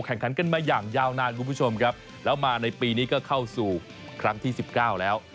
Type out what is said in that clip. แข่งขันกันมาอย่างยาวนานคุณผู้ชมครับแล้วมาในปีนี้ก็เข้าสู่ครั้งที่สิบเก้าแล้ว